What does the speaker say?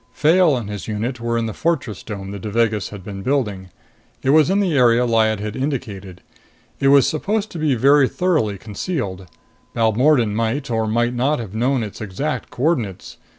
Fayle and his unit were in the fortress dome the Devagas had been building. It was in the area Lyad had indicated. It was supposed to be very thoroughly concealed. Balmordan might or might not have known its exact coordinates.